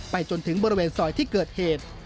จนถึงบริเวณซอยที่เกิดเหตุ